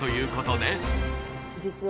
実は。